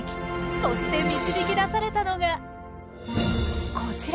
そして導き出されたのがこちら。